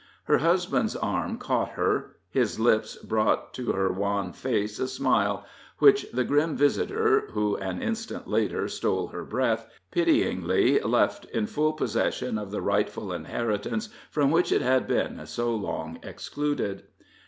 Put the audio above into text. Her husband's arm caught her; his lips brought to her wan face a smile, which the grim visitor, who an instant later stole her breath, pityingly left in full possession of the rightful inheritance from which it had been so long excluded.